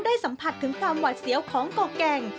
สัมผัสถึงความหวัดเสียวของเกาะแก่ง